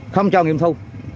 không cho nghiệp thu